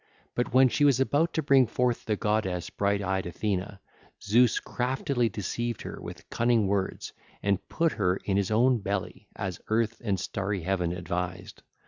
But when she was about to bring forth the goddess bright eyed Athene, Zeus craftily deceived her with cunning words and put her in his own belly, as Earth and starry Heaven advised.